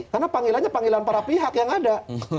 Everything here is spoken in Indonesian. karena panggilannya panggilan para pihak yang ada